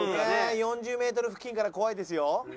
４０メートル付近から怖いですよ。